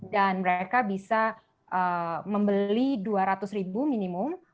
dan mereka bisa membeli dua ratus ribu minimum